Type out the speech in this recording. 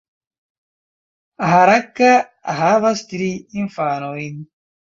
Harakka havas tri infanojn.